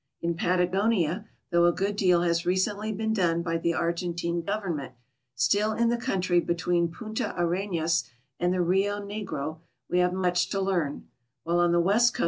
In Pata gonia, though a good deal has recently been done by the Argen tine government, still in the country between Punta Arena.sand the Rio Negro we have much to learn, while on the West Coa.